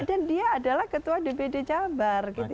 dan dia adalah ketua dbd jawa